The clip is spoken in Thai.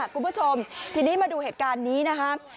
คุณผู้ชมทีนี้มาดูเหตุการณ์นี้นะครับ